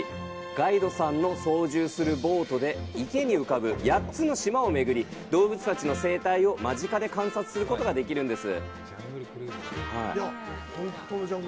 ガイドさんの操縦するボートで池に浮かぶ８つの島を巡り、動物たちの生態を間近で観察することができるんです。